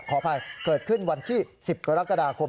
ขออภัยเกิดขึ้นวันที่๑๐กรกฎาคม